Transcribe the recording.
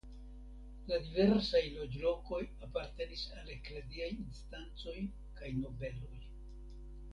La diversaj loĝlokoj apartenis al ekleziaj instancoj kaj nobeloj.